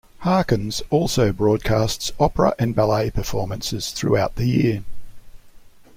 Harkins also broadcasts opera and ballet performances throughout the year.